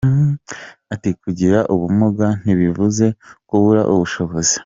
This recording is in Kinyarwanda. Ati “Kugira ubumuga ntibivuze kubura ubushobozi.